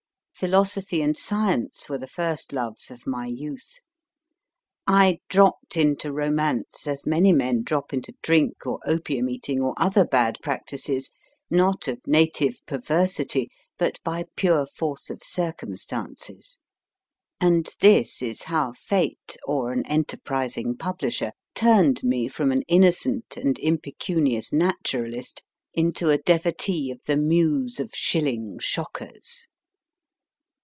Philosophy and science were the first loves of my youth. I dropped into romance as many men drop into drink, or opium eating, or other bad practices, not of native perversity, but by pure force of circumstances. And this is how fate (or an enterprising publisher) turned me from an innocent and impecunious naturalist into a devotee of the muse of shilling shockers.